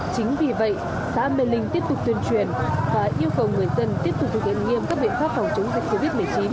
chính vì vậy xã mê linh tiếp tục tuyên truyền và yêu cầu người dân tiếp tục thực hiện nghiêm các biện pháp phòng chống dịch covid một mươi chín